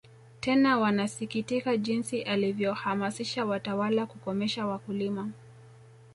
Tena wanasikitikia jinsi alivyohamasisha watawala kukomesha wakulima